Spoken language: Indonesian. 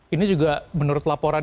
ini juga menurut laporan